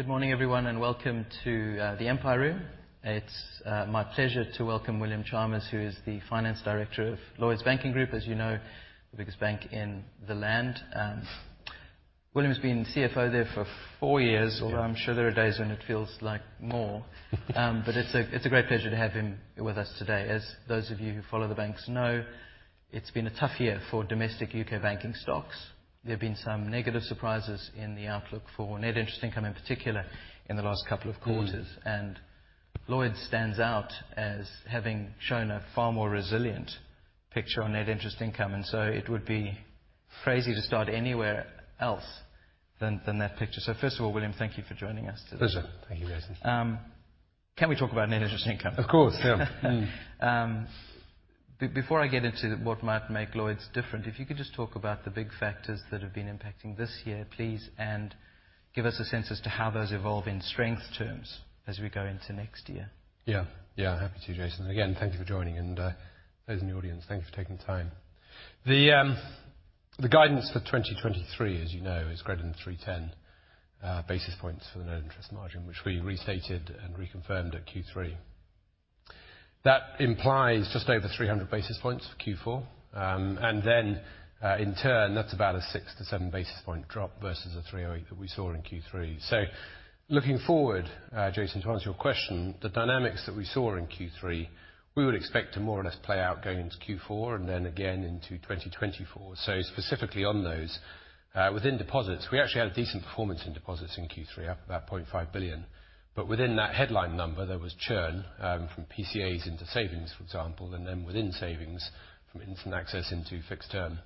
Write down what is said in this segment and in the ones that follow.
Good morning, everyone, and welcome to the Empire Room. It's my pleasure to welcome William Chalmers, who is the Finance Director of Lloyds Banking Group. As you know, the biggest bank in the land, William has been CFO there for four years, although I'm sure there are days when it feels like more. But it's a great pleasure to have him with us today. As those of you who follow the banks know, it's been a tough year for domestic U.K. banking stocks. There have been some negative surprises in the outlook for net interest income, in particular, in the last couple of quarters. Lloyds stands out as having shown a far more resilient picture on net interest income, and so it would be crazy to start anywhere else than that picture. First of all, William, thank you for joining us today. Pleasure. Thank you, Jason. Can we talk about net interest income? Of course. Yeah. Before I get into what might make Lloyds different, if you could just talk about the big factors that have been impacting this year, please, and give us a sense as to how those evolve in strength terms as we go into next year. Yeah. Happy to, Jason. Again, thank you for joining and, those in the audience, thank you for taking time. The guidance for 2023, as you know, is greater than 310 basis points for the net interest margin, which we restated and reconfirmed at Q3. That implies just over 300 basis points for Q4. And then, in turn, that's about a 6-7 basis point drop versus the 308 that we saw in Q3. So looking forward, Jason, to answer your question, the dynamics that we saw in Q3, we would expect to more or less play out going into Q4, and then again into 2024. So specifically on those, within deposits, we actually had a decent performance in deposits in Q3, up about 0.5 billion. But within that headline number, there was churn from PCAs into savings, for example, and then within savings from instant access into fixed term.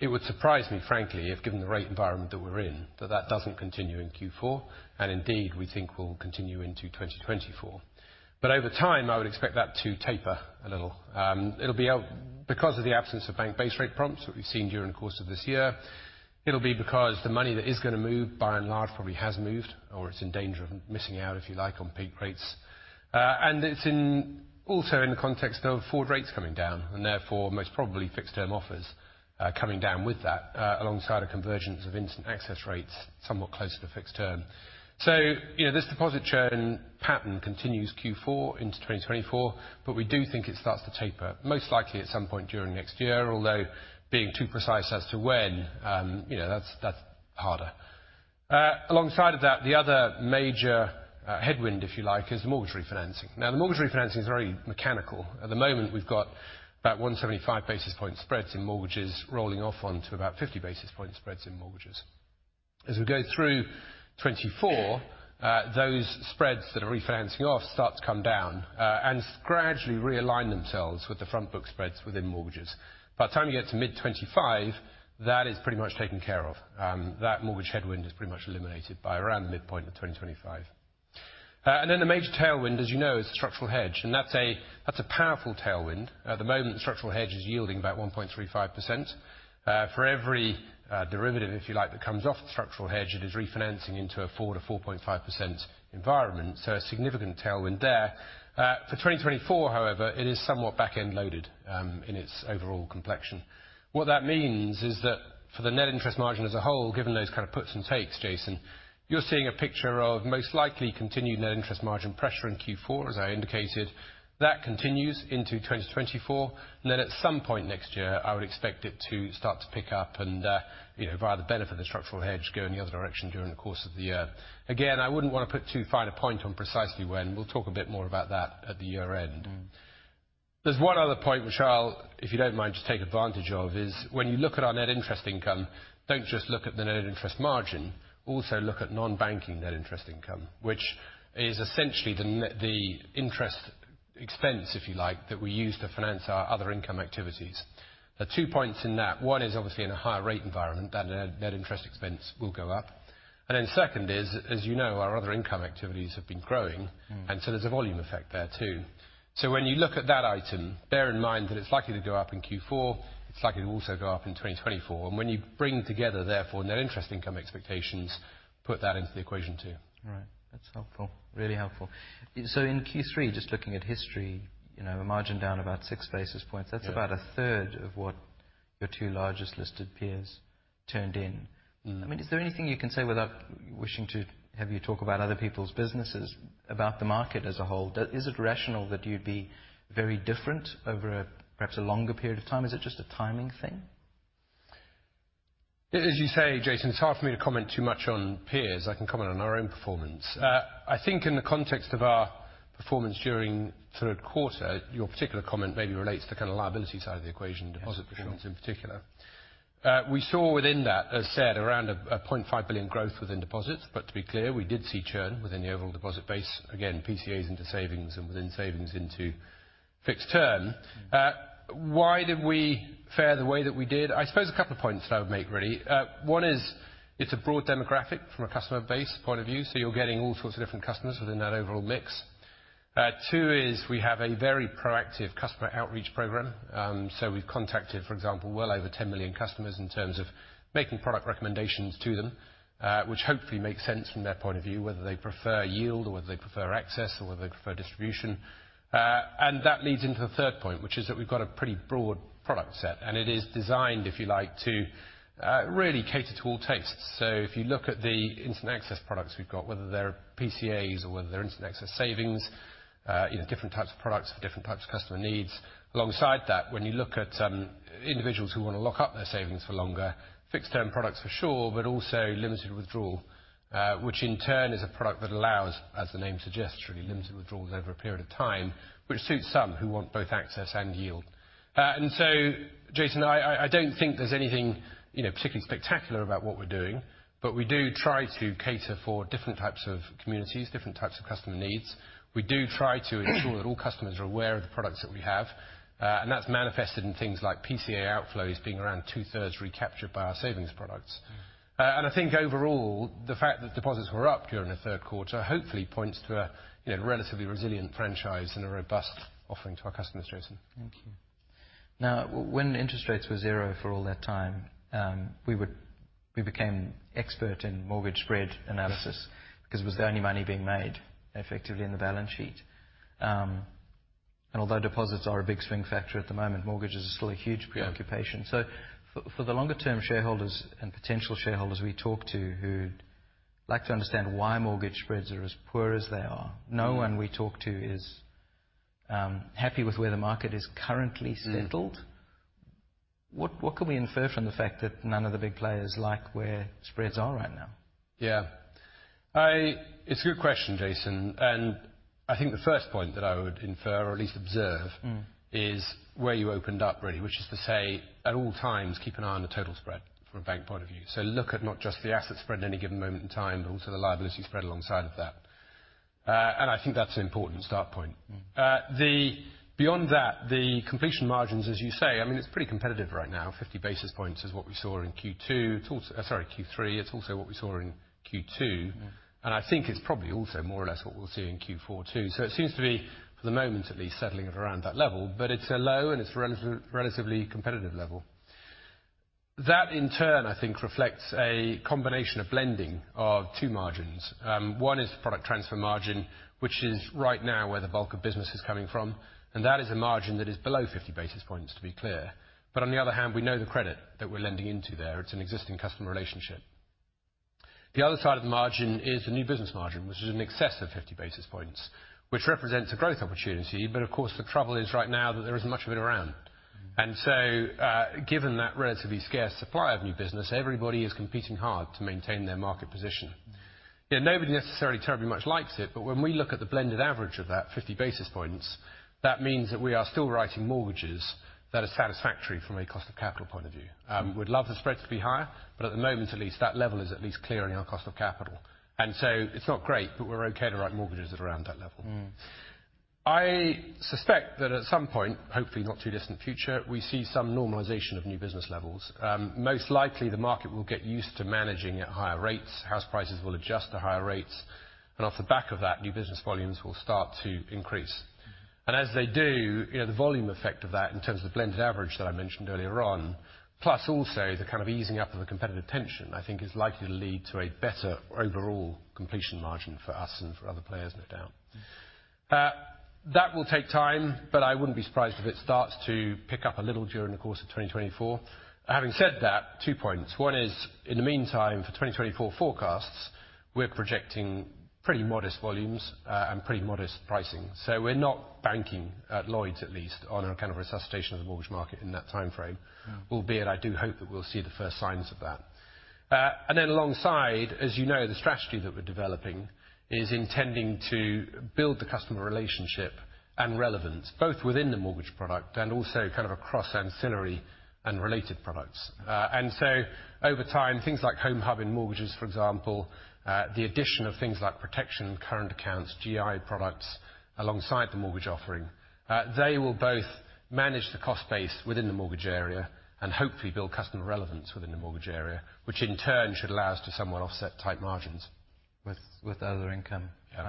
It would surprise me, frankly, if given the rate environment that we're in, that that doesn't continue in Q4, and indeed, we think will continue into 2024. But over time, I would expect that to taper a little. It'll be out because of the absence of bank base rate prompts that we've seen during the course of this year. It'll be because the money that is gonna move, by and large, probably has moved, or it's in danger of missing out, if you like, on peak rates. And it's in, also in the context of forward rates coming down, and therefore most probably fixed term offers, coming down with that, alongside a convergence of instant access rates somewhat closer to fixed term. So, you know, this deposit churn pattern continues Q4 into 2024, but we do think it starts to taper. Most likely at some point during next year, although being too precise as to when, you know, that's, that's harder. Alongside of that, the other major headwind, if you like, is the mortgage refinancing. Now, the mortgage refinancing is very mechanical. At the moment, we've got about 175 basis point spreads in mortgages rolling off onto about 50 basis point spreads in mortgages. As we go through 2024, those spreads that are refinancing off start to come down, and gradually realign themselves with the front book spreads within mortgages. By the time you get to mid-2025, that is pretty much taken care of. That mortgage headwind is pretty much eliminated by around the midpoint of 2025. And then the major tailwind, as you know, is the structural hedge, and that's a, that's a powerful tailwind. At the moment, the structural hedge is yielding about 1.35%. For every, derivative, if you like, that comes off the structural hedge, it is refinancing into a 4% to 4.5% environment, so a significant tailwind there. For 2024, however, it is somewhat back-end loaded, in its overall complexion. What that means is that for the net interest margin as a whole, given those kind of puts and takes, Jason, you're seeing a picture of most likely continued net interest margin pressure in Q4, as I indicated. That continues into 2024, and then at some point next year, I would expect it to start to pick up and, you know, via the benefit of the structural hedge, go in the other direction during the course of the year. Again, I wouldn't want to put too fine a point on precisely when. We'll talk a bit more about that at the year end. There's one other point which I'll, if you don't mind, just take advantage of, is when you look at our net interest income, don't just look at the net interest margin. Also, look at non-banking net interest income, which is essentially the interest expense, if you like, that we use to finance our other income activities. There are two points in that. One is obviously in a higher rate environment, that net interest expense will go up. And then second is, as you know, our other income activities have been growing and so there's a volume effect there, too. So when you look at that item, bear in mind that it's likely to go up in Q4. It's likely to also go up in 2024. And when you bring together, therefore, net interest income expectations, put that into the equation, too. Right. That's helpful. Really helpful. So in Q3, just looking at history, you know, a margin down about 6 basis points. Yeah. That's about a third of what your two largest listed peers turned in, I mean, is there anything you can say without wishing to have you talk about other people's businesses, about the market as a whole? Is it rational that you'd be very different over a, perhaps a longer period of time? Is it just a timing thing? As you say, Jason, it's hard for me to comment too much on peers. I can comment on our own performance. I think in the context of our performance during the third quarter, your particular comment maybe relates to kind of liability side of the equation deposit performance in particular. We saw within that, as said, around 0.5 billion growth within deposits, but to be clear, we did see churn within the overall deposit base, again, PCAs into savings and within savings into fixed term. Why did we fare the way that we did? I suppose a couple of points that I would make, really. One is it's a broad demographic from a customer base point of view, so you're getting all sorts of different customers within that overall mix. Two is we have a very proactive customer outreach program. So we've contacted, for example, well over 10 million customers in terms of making product recommendations to them, which hopefully makes sense from their point of view, whether they prefer yield or whether they prefer access, or whether they prefer distribution. And that leads into the third point, which is that we've got a pretty broad product set, and it is designed, if you like, to really cater to all tastes. So if you look at the instant access products we've got, whether they're PCAs or whether they're instant access savings, you know, different types of products for different types of customer needs. Alongside that, when you look at individuals who want to lock up their savings for longer, fixed-term products for sure, but also limited withdrawal, which in turn is a product that allows, as the name suggests, really limited withdrawals over a period of time, which suits some who want both access and yield. And so, Jason, I don't think there's anything, you know, particularly spectacular about what we're doing, but we do try to cater for different types of communities, different types of customer needs. We do try to ensure that all customers are aware of the products that we have, and that's manifested in things like PCA outflows being around two-thirds recaptured by our savings products. And I think overall, the fact that deposits were up during the third quarter hopefully points to a, you know, relatively resilient franchise and a robust offering to our customers, Jason. Thank you. Now, when interest rates were zero for all that time, we became expert in mortgage spread analysis because it was the only money being made effectively in the balance sheet. Although deposits are a big swing factor at the moment, mortgages are still a huge preoccupation. Yeah. So, for the longer term, shareholders and potential shareholders we talk to who'd like to understand why mortgage spreads are as poor as they are, no one we talk to is happy with where the market is currently settled. What can we infer from the fact that none of the big players like where spreads are right now? Yeah. It's a good question, Jason, and I think the first point that I would infer or at least observe is where you opened up, really, which is to say, at all times, keep an eye on the total spread from a bank point of view. So look at not just the asset spread at any given moment in time, but also the liability spread alongside of that. And I think that's an important start point. Beyond that, the completion margins, as you say, I mean, it's pretty competitive right now. 50 basis points is what we saw in Q2. It's also Q3. It's also what we saw in Q2. I think it's probably also more or less what we'll see in Q4 too. It seems to be, for the moment at least, settling at around that level, but it's a low and it's relatively, relatively competitive level. That, in turn, I think, reflects a combination of blending of two margins. One is product transfer margin, which is right now where the bulk of business is coming from, and that is a margin that is below 50 basis points, to be clear. But on the other hand, we know the credit that we're lending into there. It's an existing customer relationship. The other side of the margin is the new business margin, which is in excess of 50 basis points, which represents a growth opportunity, but of course, the trouble is right now that there isn't much of it around. So, given that relatively scarce supply of new business, everybody is competing hard to maintain their market position. You know, nobody necessarily terribly much likes it, but when we look at the blended average of that 50 basis points, that means that we are still writing mortgages that are satisfactory from a cost of capital point of view. We'd love the spreads to be higher, but at the moment at least, that level is at least clearing our cost of capital. And so it's not great, but we're okay to write mortgages at around that level. I suspect that at some point, hopefully not too distant future, we see some normalization of new business levels. Most likely, the market will get used to managing at higher rates, house prices will adjust to higher rates, and off the back of that, new business volumes will start to increase. And as they do, you know, the volume effect of that in terms of blended average that I mentioned earlier on, plus also the kind of easing up of the competitive tension, I think is likely to lead to a better overall completion margin for us and for other players, no doubt. That will take time, but I wouldn't be surprised if it starts to pick up a little during the course of 2024. Having said that, two points. One is, in the meantime, for 2024 forecasts, we're projecting pretty modest volumes and pretty modest pricing. So we're not banking, at Lloyds at least, on a kind of resuscitation of the mortgage market in that timeframe. Albeit, I do hope that we'll see the first signs of that. And then alongside, as you know, the strategy that we're developing is intending to build the customer relationship and relevance, both within the mortgage product and also kind of across ancillary and related products. And so over time, things like Home Hub and mortgages, for example, the addition of things like protection, current accounts, GI products, alongside the mortgage offering, they will both manage the cost base within the mortgage area and hopefully build customer relevance within the mortgage area, which in turn should allow us to somewhat offset tight margins. With other income. Yeah.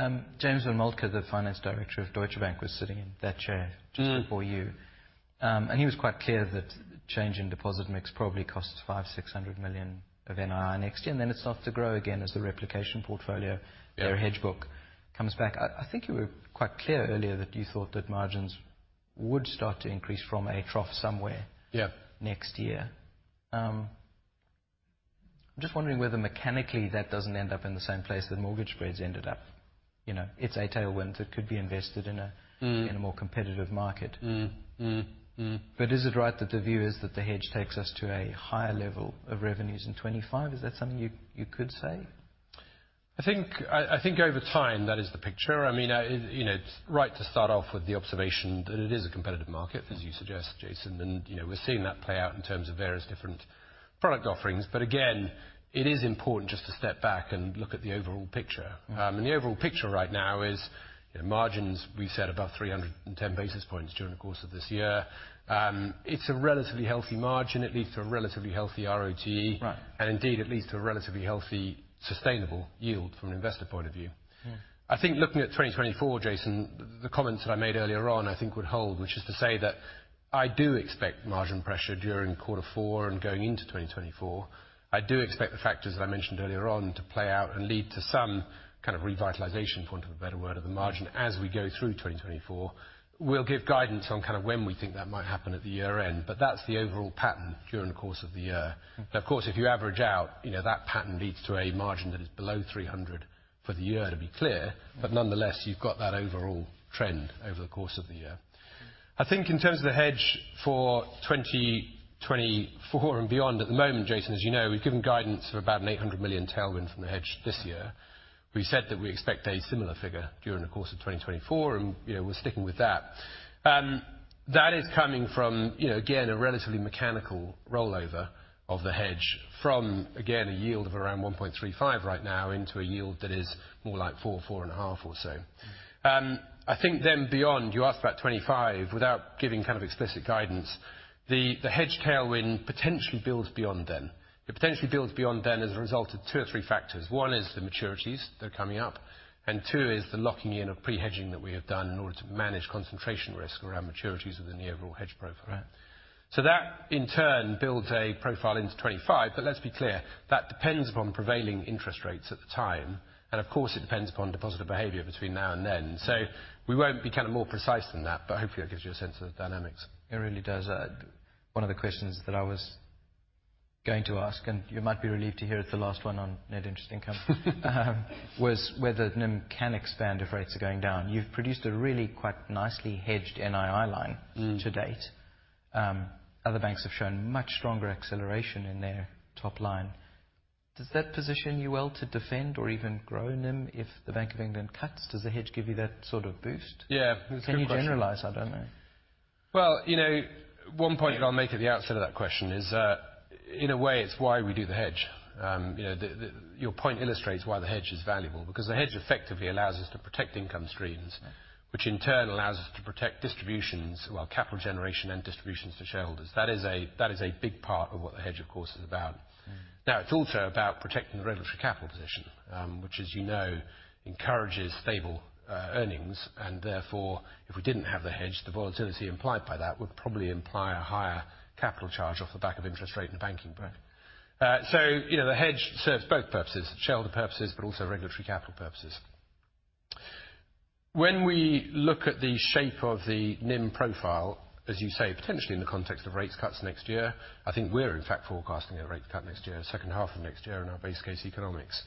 All right. James von Moltke, the finance director of Deutsche Bank, was sitting in that chair just before you. And he was quite clear that change in deposit mix probably costs 500 million to 600 million of NII next year, and then it's off to grow again as the replication portfolio their hedge book comes back. I think you were quite clear earlier that you thought that margins would start to increase from a trough somewhere next year. I'm just wondering whether mechanically, that doesn't end up in the same place that mortgage spreads ended up. You know, it's a tailwind that could be invested in a more competitive market. Is it right that the view is that the hedge takes us to a higher level of revenues in 2025? Is that something you could say? I think over time that is the picture. I mean, you know, it's right to start off with the observation that it is a competitive market, as you suggest, Jason, and, you know, we're seeing that play out in terms of various different product offerings. But again, it is important just to step back and look at the overall picture. And the overall picture right now is, you know, margins, we've said above 310 basis points during the course of this year. It's a relatively healthy margin, it leads to a relatively healthy RoE. Right. Indeed, it leads to a relatively healthy, sustainable yield from an investor point of view. I think looking at 2024, Jason, the comments that I made earlier on, I think would hold, which is to say that I do expect margin pressure during quarter four and going into 2024. I do expect the factors that I mentioned earlier on to play out and lead to some kind of revitalization, for want of a better word, of the margin as we go through 2024. We'll give guidance on kind of when we think that might happen at the year end, but that's the overall pattern during the course of the year. But of course, if you average out, you know, that pattern leads to a margin that is below 300 for the year, to be clear, but nonetheless, you've got that overall trend over the course of the year. I think in terms of the hedge for 2024 and beyond, at the moment, Jason, as you know, we've given guidance for about a 800 million tailwind from the hedge this year. We said that we expect a similar figure during the course of 2024, and, you know, we're sticking with that. That is coming from, you know, again, a relatively mechanical rollover of the hedge from, again, a yield of around 1.35 right now into a yield that is more like 4 to 4.5 or so. I think then beyond, you asked about 2025, without giving kind of explicit guidance, the hedge tailwind potentially builds beyond then. It potentially builds beyond then as a result of two or three factors. One is the maturities that are coming up, and two is the locking in of pre-hedging that we have done in order to manage concentration risk around maturities within the overall hedge profile. Right. So that, in turn, builds a profile into 2025. But let's be clear, that depends upon prevailing interest rates at the time, and of course, it depends upon depositor behavior between now and then. So we won't be kind of more precise than that, but hopefully, that gives you a sense of the dynamics. It really does. One of the questions that I was going to ask, and you might be relieved to hear it's the last one on net interest income, was whether NIM can expand if rates are going down. You've produced a really quite nicely hedged NII line to date. Other banks have shown much stronger acceleration in their top line. Does that position you well to defend or even grow NIM if the Bank of England cuts? Does the hedge give you that sort of boost? Yeah, it's a good question. Can you generalize? I don't know. Well, you know, one point that I'll make at the outset of that question is that in a way, it's why we do the hedge. You know, your point illustrates why the hedge is valuable, because the hedge effectively allows us to protect income streams, which in turn allows us to protect distributions, well, capital generation and distributions to shareholders. That is a big part of what the hedge, of course, is about. Now, it's also about protecting the regulatory capital position, which, as you know, encourages stable earnings, and therefore, if we didn't have the hedge, the volatility implied by that would probably imply a higher capital charge off the back of interest rate in the banking pack. So, you know, the hedge serves both purposes, shareholder purposes, but also regulatory capital purposes. When we look at the shape of the NIM profile, as you say, potentially in the context of rate cuts next year, I think we're in fact forecasting a rate cut next year, second half of next year in our base case economics.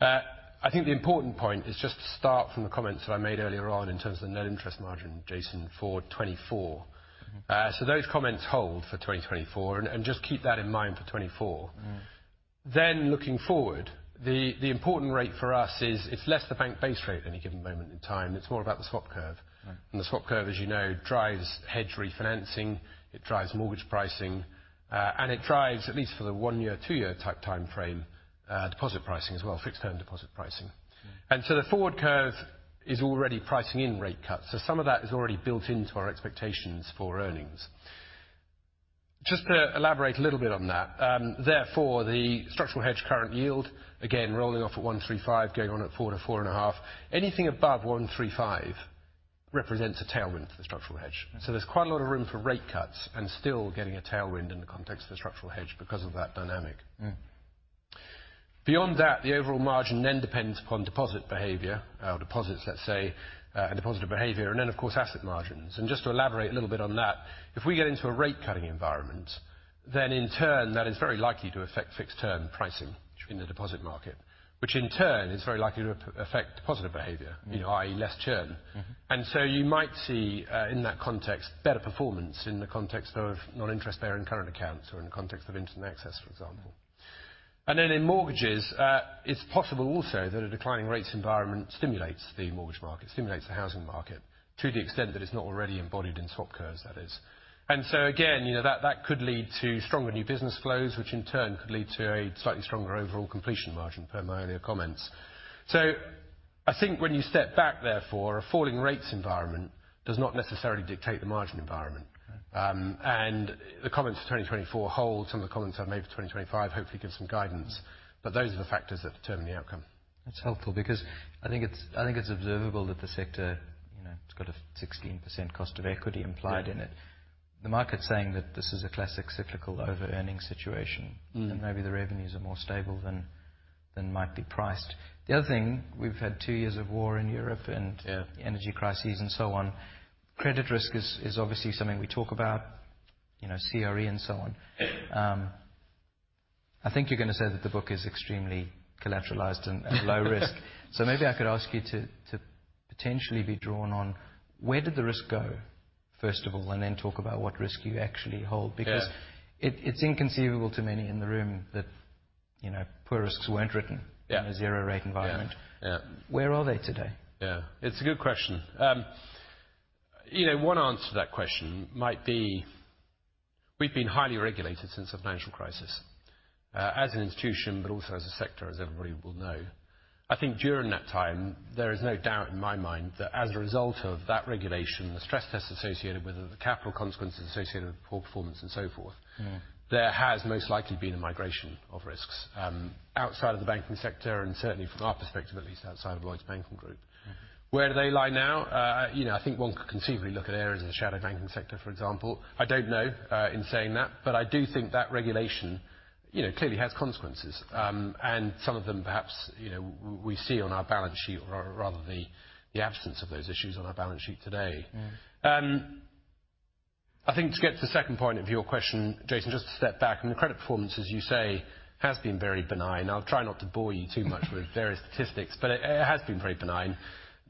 I think the important point is just to start from the comments that I made earlier on in terms of the net interest margin, Jason, for 2024. So those comments hold for 2024, and just keep that in mind for 2024.Mm.Then looking forward, the important rate for us is it's less the bank base rate than any given moment in time. It's more about the swap curve. The swap curve, as you know, drives hedge refinancing, it drives mortgage pricing, and it drives, at least for the one-year, two-year type time frame, deposit pricing as well, fixed term deposit pricing. And so the forward curve is already pricing in rate cuts, so some of that is already built into our expectations for earnings. Just to elaborate a little bit on that, therefore, the structural hedge current yield, again, rolling off at 135, going on at 4-4.5, anything above 135 represents a tailwind for the structural hedge. So there's quite a lot of room for rate cuts and still getting a tailwind in the context of a structural hedge because of that dynamic. Beyond that, the overall margin then depends upon deposit behavior, deposits, let's say, and depositor behavior, and then, of course, asset margins. Just to elaborate a little bit on that, if we get into a rate cutting environment, then in turn, that is very likely to affect fixed term pricing-Sure.-in the deposit market, which in turn is very likely to affect depositor behavior. You know, i.e., less churn. You might see, in that context, better performance in the context of non-interest bearing current accounts or in the context of instant access, for example. And then in mortgages, it's possible also that a declining rates environment stimulates the mortgage market, stimulates the housing market, to the extent that it's not already embodied in swap curves, that is. And so again, you know, that could lead to stronger new business flows, which in turn could lead to a slightly stronger overall completion margin, per my earlier comments. So I think when you step back, therefore, a falling rates environment does not necessarily dictate the margin environment. Okay. The comments to 2024 hold. Some of the comments I made for 2025 hopefully give some guidance. But those are the factors that determine the outcome. That's helpful because I think it's observable that the sector, you know, it's got a 16% cost of equity implied in it. The market's saying that this is a classic cyclical over-earning situation. And maybe the revenues are more stable than might be priced. The other thing, we've had two years of war in Europe and energy crises and so on. Credit risk is obviously something we talk about, you know, CRE and so on. I think you're going to say that the book is extremely collateralized and low risk. So maybe I could ask you to potentially be drawn on where did the risk go? First of all, and then talk about what risk you actually hold. Yeah. Because it's inconceivable to many in the room that, you know, poor risks weren't written in a zero rate environment. Yeah. Where are they today? Yeah, it's a good question. You know, one answer to that question might be, we've been highly regulated since the financial crisis, as an institution, but also as a sector, as everybody will know. I think during that time, there is no doubt in my mind that as a result of that regulation, the stress test associated with the capital consequences associated with poor performance and so forth. There has most likely been a migration of risks, outside of the banking sector, and certainly from our perspective, at least outside of Lloyds Banking Group. Where do they lie now? You know, I think one could conceivably look at areas of the shadow banking sector, for example. I don't know in saying that, but I do think that regulation, you know, clearly has consequences. And some of them perhaps, you know, we see on our balance sheet or rather the absence of those issues on our balance sheet today. I think to get to the second point of your question, Jason, just to step back, and the credit performance, as you say, has been very benign. I'll try not to bore you too much with various statistics, but it, it has been very benign.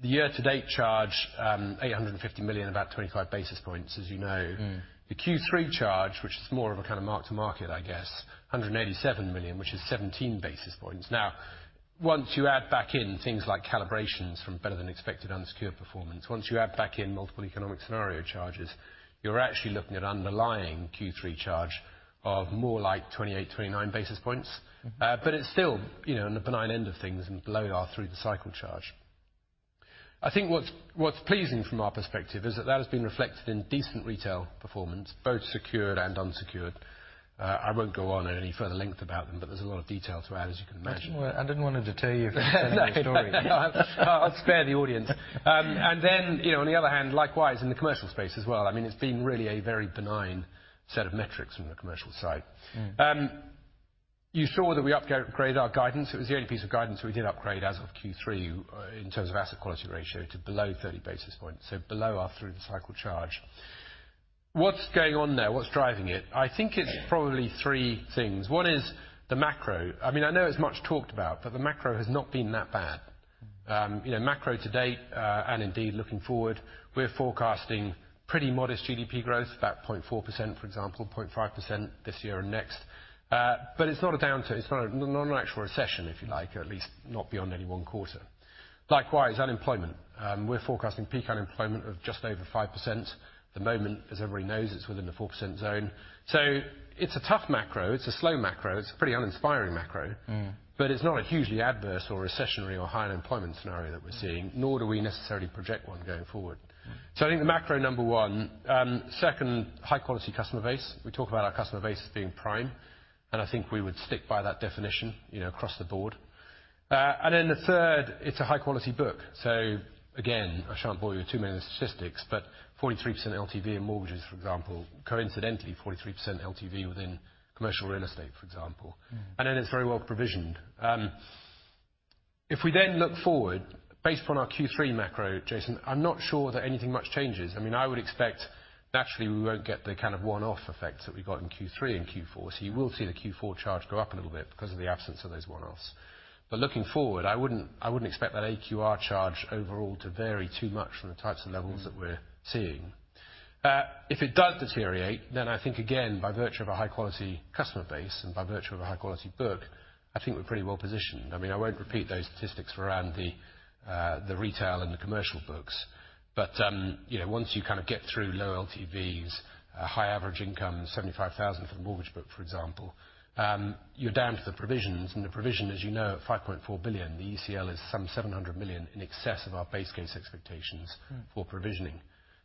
The year-to-date charge, 850 million, about 25 basis points, as you know. The Q3 charge, which is more of a kind of mark-to-market, I guess, 187 million, which is 17 basis points. Now, once you add back in things like calibrations from better than expected unsecured performance, once you add back in multiple economic scenario charges, you're actually looking at underlying Q3 charge of more like 28-29 basis points. But it's still, you know, in the benign end of things and below our through-the-cycle charge. I think what's, what's pleasing from our perspective is that that has been reflected in decent retail performance, both secured and unsecured. I won't go on in any further length about them, but there's a lot of detail to add, as you can imagine. Well, I didn't want to deter you from telling the story. I'll spare the audience. And then, you know, on the other hand, likewise, in the commercial space as well, I mean, it's been really a very benign set of metrics from the commercial side. You saw that we upgraded our guidance. It was the only piece of guidance we did upgrade as of Q3, in terms of asset quality ratio to below 30 basis points, so below our through-the-cycle charge. What's going on there? What's driving it? I think it's probably three things. One is the macro. I mean, I know it's much talked about, but the macro has not been that bad. You know, macro to date, and indeed, looking forward, we're forecasting pretty modest GDP growth, about 0.4%, for example, 0.5% this year and next. But it's not a downturn, it's not an actual recession, if you like, or at least not beyond any one quarter. Likewise, unemployment. We're forecasting peak unemployment of just over 5%. At the moment, as everybody knows, it's within the 4% zone. So it's a tough macro, it's a slow macro, it's a pretty uninspiring macro. But it's not a hugely adverse or recessionary or high unemployment scenario that we're seeing, nor do we necessarily project one going forward. So I think the macro, number one. Second, high-quality customer base. We talk about our customer base as being prime, and I think we would stick by that definition, you know, across the board. And then the third, it's a high-quality book. So again, I shan't bore you with too many statistics, but 43% LTV in mortgages, for example, coincidentally, 43% LTV within commercial real estate, for example. And then it's very well provisioned. If we then look forward, based on our Q3 macro, Jason, I'm not sure that anything much changes. I mean, I would expect naturally we won't get the kind of one-off effects that we got in Q3 and Q4, so you will see the Q4 charge go up a little bit because of the absence of those one-offs. But looking forward, I wouldn't, I wouldn't expect that AQR charge overall to vary too much from the types of levels that we're seeing. If it does deteriorate, then I think, again, by virtue of a high-quality customer base and by virtue of a high-quality book, I think we're pretty well positioned. I mean, I won't repeat those statistics around the retail and the commercial books, but you know, once you kind of get through low LTVs, high average income, 75,000 for the mortgage book, for example, you're down to the provisions. And the provision, as you know, at 5.4 billion, the ECL is some 700 million in excess of our base case expectations for provisioning.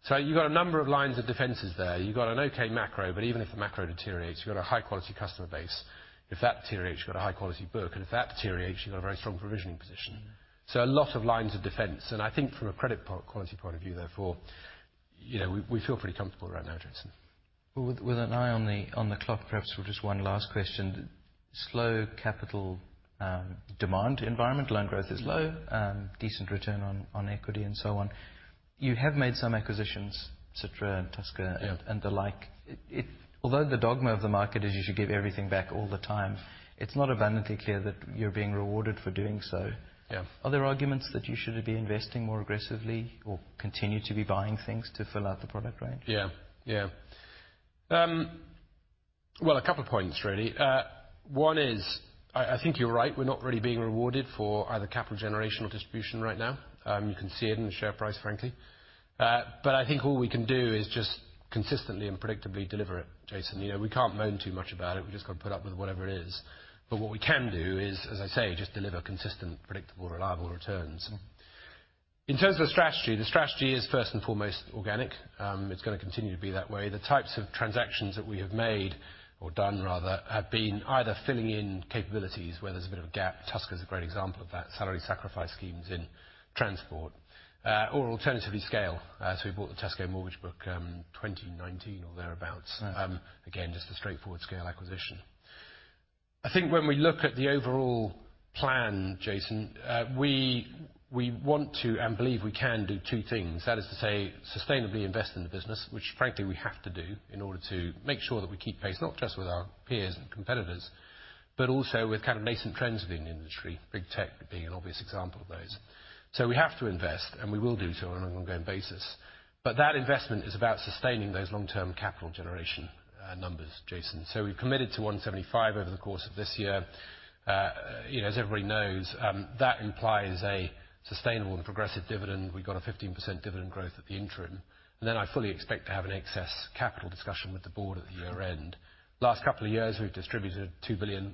So you've got a number of lines of defenses there. You've got an okay macro, but even if the macro deteriorates, you've got a high-quality customer base. If that deteriorates, you've got a high-quality book, and if that deteriorates, you've got a very strong provisioning position. A lot of lines of defense, and I think from a credit quality point of view, therefore, you know, we feel pretty comfortable right now, Jason. Well, with an eye on the clock, perhaps for just one last question. Slow capital demand environment, loan growth is low, decent return on equity and so on. You have made some acquisitions, Citra and Tusker and the like. Although the dogma of the market is you should give everything back all the time, it's not abundantly clear that you're being rewarded for doing so. Yeah. Are there arguments that you should be investing more aggressively or continue to be buying things to fill out the product range? Yeah. Well, a couple of points, really. One is, I think you're right. We're not really being rewarded for either capital generation or distribution right now. You can see it in the share price, frankly. But I think all we can do is just consistently and predictably deliver it, Jason. You know, we can't moan too much about it. We've just got to put up with whatever it is, but what we can do is, as I say, just deliver consistent, predictable, reliable returns. In terms of strategy, the strategy is first and foremost organic. It's gonna continue to be that way. The types of transactions that we have made, or done rather, have been either filling in capabilities where there's a bit of a gap, Tusker is a great example of that, salary sacrifice schemes in transport, or alternatively, scale. So we bought the Tesco mortgage book, 2019 or thereabout. Right. Again, just a straightforward scale acquisition. I think when we look at the overall plan, Jason, we want to and believe we can do two things. That is to say, sustainably invest in the business, which frankly, we have to do in order to make sure that we keep pace, not just with our peers and competitors, but also with kind of nascent trends within the industry, big tech being an obvious example of those. So we have to invest, and we will do so on an ongoing basis. But that investment is about sustaining those long-term capital generation numbers, Jason. So we've committed to 175 over the course of this year. You know, as everybody knows, that implies a sustainable and progressive dividend. We've got a 15% dividend growth at the interim, and then I fully expect to have an excess capital discussion with the board at the year end. Last couple of years, we've distributed 2 billion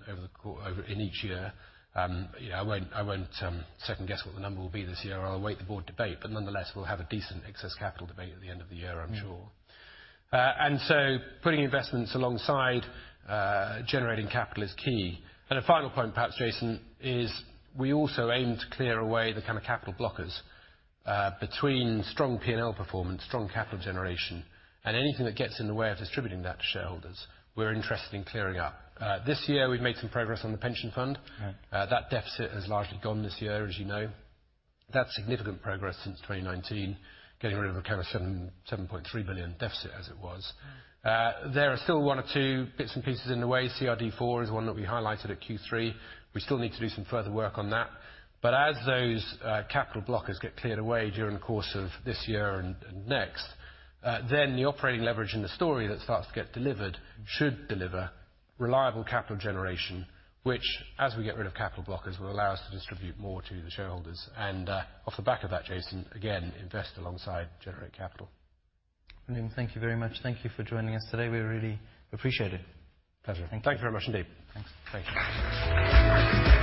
in each year. You know, I won't second guess what the number will be this year. I'll await the board debate, but nonetheless, we'll have a decent excess capital debate at the end of the year, I'm sure. and so putting investments alongside generating capital is key. And a final point, perhaps, Jason, is we also aim to clear away the kind of capital blockers between strong P&L performance, strong capital generation, and anything that gets in the way of distributing that to shareholders, we're interested in clearing up. This year, we've made some progress on the pension fund. Right. That deficit has largely gone this year, as you know. That's significant progress since 2019, getting rid of a kind of 7.3 billion deficit as it was. There are still one or two bits and pieces in the way. CRD IV is one that we highlighted at Q3. We still need to do some further work on that, but as those, capital blockers get cleared away during the course of this year and, and next, then the operating leverage in the story that starts to get delivered should deliver reliable capital generation, which, as we get rid of capital blockers, will allow us to distribute more to the shareholders. Off the back of that, Jason, again, invest alongside, generate capital. William, thank you very much. Thank you for joining us today. We really appreciate it. Pleasure. Thank you very much indeed. Thanks. Thank you.